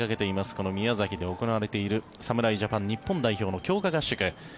この宮崎で行われている侍ジャパン日本代表の強化合宿。